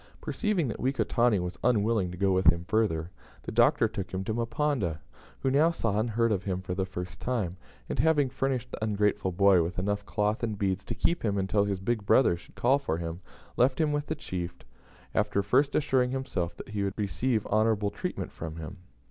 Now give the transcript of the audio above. Perceiving that Wekotani was unwilling to go with him further, the Doctor took him to Mponda, who now saw and heard of him for the first time, and, having furnished the ungrateful boy with enough cloth and beads to keep him until his "big brother" should call for him, left him with the chief, after first assuring himself that he would receive honourable treatment from him.